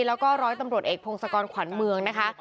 แล้วก็ร้อยตำรวจเอกพงศกรขวัญเมืองนะคะ